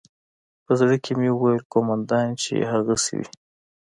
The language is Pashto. په زړه کښې مې وويل قومندان چې يې هغسې وي.